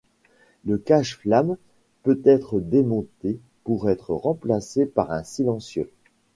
Le cache-flamme peut être démonté pour être remplacé par un silencieux.